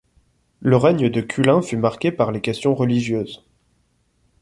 Le règne de Kulin fut marqué par les questions religieuses.